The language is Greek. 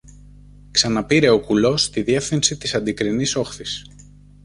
ξαναπήρε ο κουλός τη διεύθυνση της αντικρινής όχθης